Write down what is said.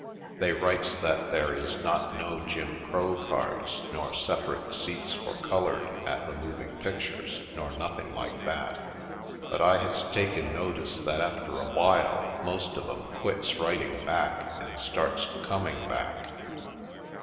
They writes that there is not no Jim Crow cars nor separate seats for colored at the moving pictures nor nothing like that. But I has taken notice that after awhile most of 'em quits writing back and starts coming back.